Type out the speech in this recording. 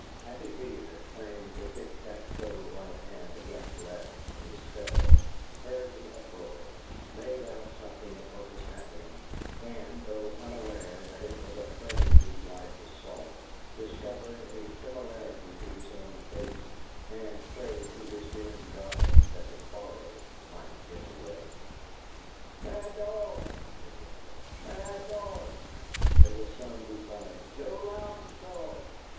Happy Fear, playing "tic tac toe," right hand against left, in his cell, heard the uproar, made out something of what was happening, and, though unaware that it was a friend whose life was sought, discovered a similarity to his own case, and prayed to his dim gods that the quarry might get away. "MAD DOG!" they yelled. "MAD DOG!" And there were some who cried, "JOE LOUDEN'S DOG!"